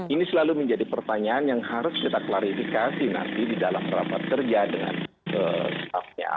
ini selalu menjadi pertanyaan yang harus kita klarifikasi nanti di dalam rapat kerja dengan staffnya